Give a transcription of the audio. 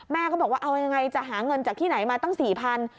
ก็บอกว่าเอายังไงจะหาเงินจากที่ไหนมาตั้ง๔๐๐บาท